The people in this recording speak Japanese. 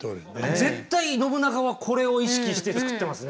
絶対信長はこれを意識して造ってますね。